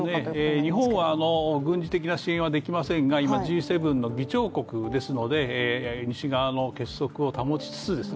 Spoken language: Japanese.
日本は軍事的な支援はできませんが、今、Ｇ７の議長国ですので西側の結束を保ちつつですね